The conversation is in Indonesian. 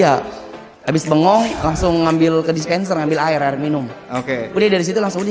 ya habis bengong langsung ngambil ke dispenser ambil air minum oke udah disitu langsung di